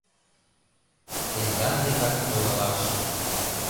Тендан декат толалаш